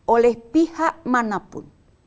oleh pihak manapun